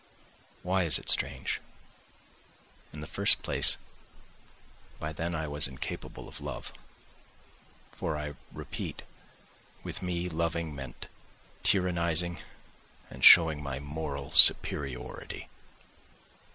Why is it strange? In the first place, by then I was incapable of love, for I repeat, with me loving meant tyrannising and showing my moral superiority.